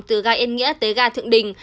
từ ga yên nghĩa tới ga thượng đình